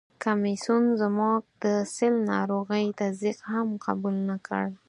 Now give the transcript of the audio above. کمیسیون زموږ د سِل ناروغي تصدیق هم قبول نه کړ.